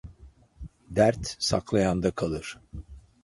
Dert saklayanda kalır.